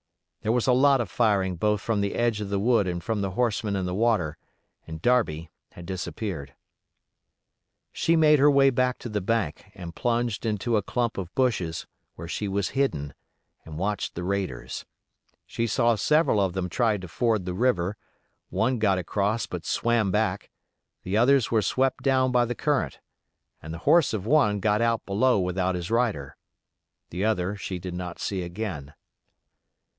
There was a lot of firing both from the edge of the wood and from the horsemen in the water, and Darby had disappeared. She made her way back to the bank and plunged into a clump of bushes, where she was hidden and watched the raiders. She saw several of them try to ford the river, one got across but swam back, the others were swept down by the current, and the horse of one got out below without his rider. The other she did not see again.